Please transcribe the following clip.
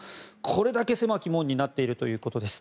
これだけ狭き門になっているということです。